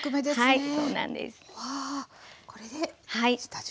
はい。